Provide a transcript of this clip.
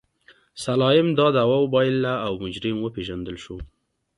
سلایم دا دعوه وبایلله او مجرم وپېژندل شو.